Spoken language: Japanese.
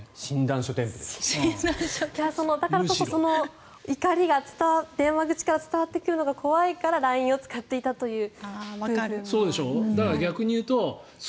だからこそ怒りが電話口で伝わってくるのが怖いからＬＩＮＥを使っていたという。